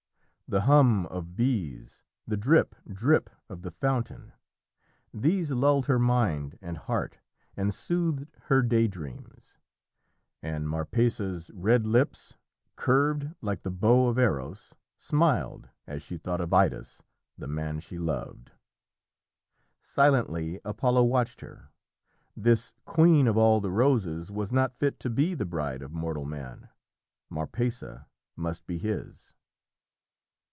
The hum of bees, the drip, drip of the fountain, these lulled her mind and heart and soothed her day dreams, and Marpessa's red lips, curved like the bow of Eros, smiled as she thought of Idas, the man she loved. Silently Apollo watched her. This queen of all the roses was not fit to be the bride of mortal man Marpessa must be his.